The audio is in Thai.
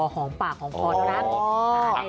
หอมปากหอมพอแล้วนะครับ